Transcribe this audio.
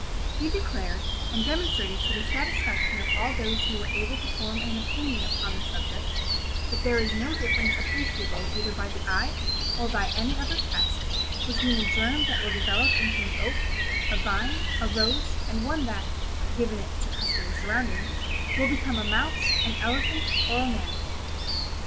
He declared, and demonstrated to the satisfaction of all those who were able to form an opinion upon the subject, that there is no difference appreciable either by the eye, or by any other test, between a germ that will develop into an oak, a vine, a rose, and one that (given its accustomed surroundings) will become a mouse, an elephant, or a man.